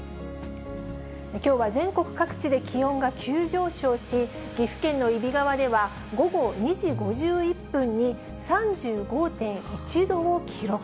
きょうは全国各地で気温が急上昇し、岐阜県の揖斐川では、午後２時５１分に３５．１度を記録。